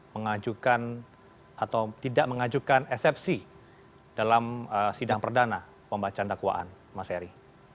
mengajukan atau tidak mengajukan eksepsi dalam sidang perdana pembacaan dakwaan mas eri